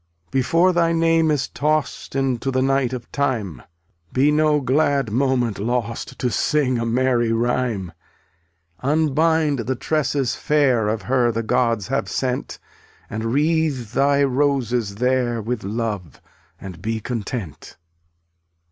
282 Before thy name is tossed Into the night of time, Be no glad moment lost To sing a merry rhyme. Unbind the tresses fair Of her the gods have sent, And wreathe thy roses there With love and be content.